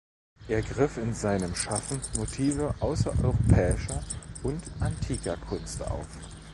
Er griff in seinem Schaffen Motive außereuropäischer und antiker Kunst auf.